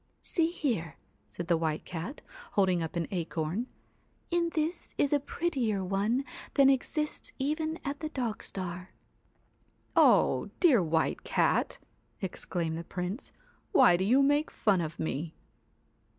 'See here,' said the White Cat, holding up an acorn. ' In this is a prettier one than exists even at the dog star.' 'Oh! dear White Cat!' exclaimed the Prince, 1 why do you make fun of me